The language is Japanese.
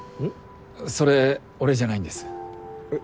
それ俺じゃないんです。え？